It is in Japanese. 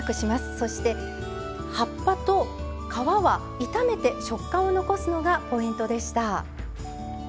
そして葉っぱと皮は炒めて食感を残すのがポイントでした。